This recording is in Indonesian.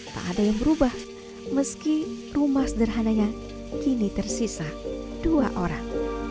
tak ada yang berubah meski rumah sederhananya kini tersisa dua orang